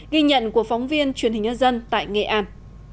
ghi nhận của phóng viên truyền hình nhân dân tại nghệ an